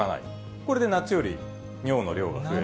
これで夏より尿の量が増える。